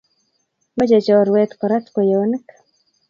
Meche chorwet korat kweyonik